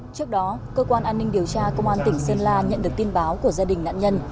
trước đó cơ quan an ninh điều tra công an tỉnh sơn la nhận được tin báo của gia đình nạn nhân